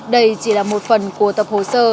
đây chỉ là một phần của tập hồ sơ